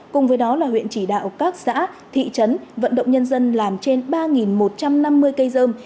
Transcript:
cùng với đó là huyện chỉ đạo các xã thị trấn vận động nhân dân làm trên ba một trăm năm mươi cây dơm